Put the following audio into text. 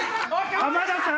浜田さん？